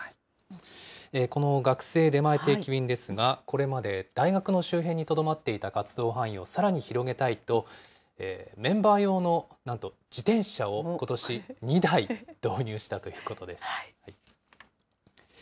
この学生出前定期便ですが、これまで大学の周辺にとどまっていた活動範囲をさらに広げたいと、メンバー用の、なんと自転車を、ことし２台、導入したということです。